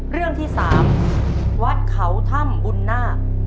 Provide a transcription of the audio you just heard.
เรื่องที่สามวัดเขาถ้ำอุณน่า